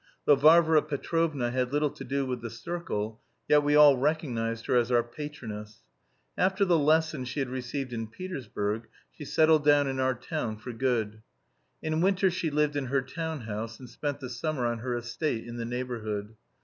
Though Varvara Petrovna had little to do with the circle, yet we all recognised her as our patroness. After the lesson she had received in Petersburg, she settled down in our town for good. In winter she lived in her town house and spent the summer on her estate in the neighbourhood.